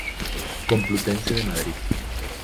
Complutense de Madrid.